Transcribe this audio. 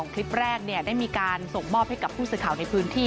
คลิปแรกได้มีการส่งมอบให้กับผู้สื่อข่าวในพื้นที่